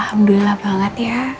alhamdulillah banget ya